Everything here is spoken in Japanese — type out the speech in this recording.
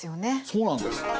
そうなんです。